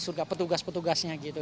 surga petugas petugasnya gitu